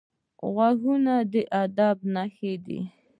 غوږونه د ادب نښانې دي